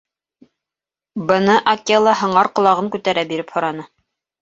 — Быны Акела һыңар ҡолағын күтәрә биреп һораны.